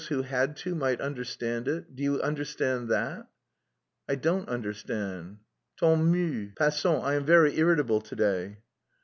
who had to, might understand it. Do you understand that?" "I don't understand." "Tant mieux; passons. I am very irritable to day."